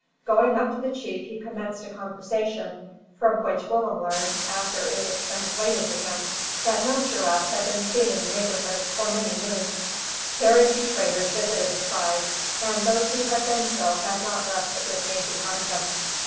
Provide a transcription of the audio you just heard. Going up to the chief he commenced a conversation, from which Willem learned, after it was translated to him, that no giraffes had been seen in the neighbourhood for many moons. Very few traders visited the tribe; and those who had done so had not left a good name behind them.